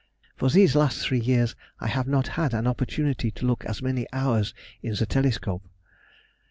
For these last three years I have not had an opportunity to look as many hours in the telescope.